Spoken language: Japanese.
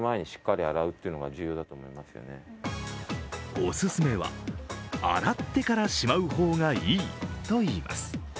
おすすめは、洗ってからしまう方がいいといいます。